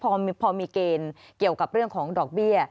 พอมีเกณฑ์เกี่ยวกับเรื่องของดอกเบี้ย